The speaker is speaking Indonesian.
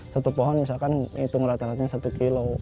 tutup pohon misalkan hitung rata ratanya satu kilo